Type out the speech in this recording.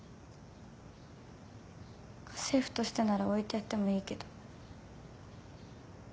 家政婦としてなら置いてやってもいいけど。